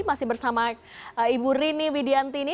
masih bersama ibu rini widiantini